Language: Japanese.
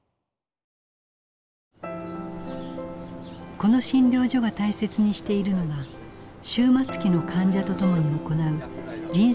この診療所が大切にしているのは終末期の患者と共に行う「人生会議」です。